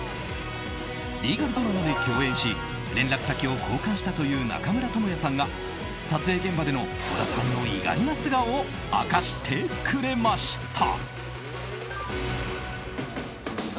リーガルドラマで共演し連絡先を交換したという中村倫也さんが撮影現場での小田さんの意外な素顔を明かしてくれました。